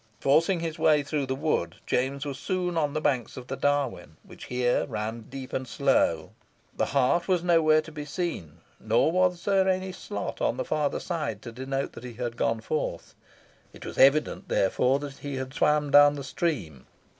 Forcing his way through the wood, James was soon on the banks of the Darwen, which here ran deep and slow. The hart was nowhere to be seen, nor was there any slot on the further side to denote that he had gone forth. It was evident, therefore, that he had swam down the stream.